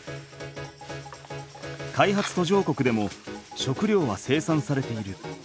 開発途上国でも食料は生産されている。